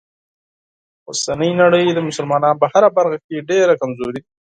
اوسنۍ نړۍ مسلمانان په هره برخه کې ډیره کمزوری دي.